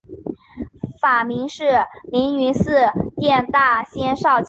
法名是灵云寺殿大仙绍其。